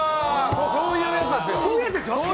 そういうやつですよ！